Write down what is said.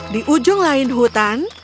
di ujung lain hutan